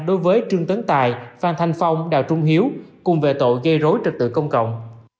đối với trương tấn tài phan thanh phong đào trung hiếu cùng về tội gây rối trật tự công cộng